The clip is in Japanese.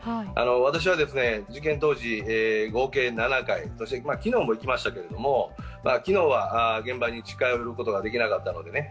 私は事件当時、合計７回、そして昨日も行きましたけれども、昨日は現場に近寄ることができなかったのでね。